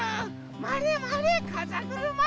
まわれまわれかざぐるま。